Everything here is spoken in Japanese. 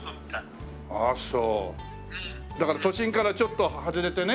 だから都心からちょっと外れてね